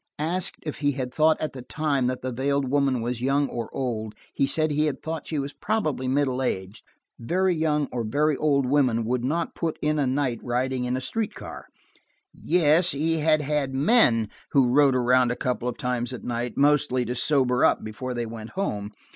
Asked if he had thought at the time that the veiled woman was young or old, he said he had thought she was probably middle aged. Very young or very old women would not put in the night riding in a street car. Yes, he had had men who rode around a couple of times at night, mostly to sober up before they went home.